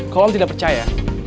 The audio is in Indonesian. kalau om tidak percaya